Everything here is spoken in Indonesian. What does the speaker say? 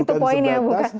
itu poinnya bukan